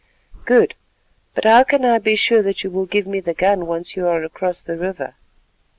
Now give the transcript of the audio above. "Good, but how can I be sure that you will give me the gun once you are across the river?"